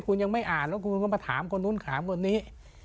คุณยังไม่อ่านแล้วคุณก็มาถามคนนู้นถามคนนี้